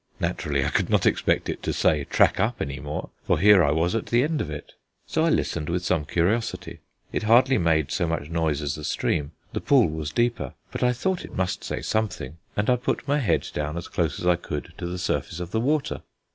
Naturally I could not expect it to say "Track up" any more, for here I was at the end of it. So I listened with some curiosity. It hardly made so much noise as the stream: the pool was deeper. But I thought it must say something, and I put my head down as close as I could to the surface of the water.